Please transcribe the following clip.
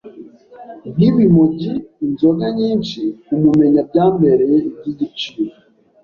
nk’ibimogi inzoga nyinshi… kumumenya byambereye ibyigiciro